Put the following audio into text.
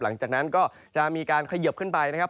หลังจากนั้นก็จะมีการเขยิบขึ้นไปนะครับ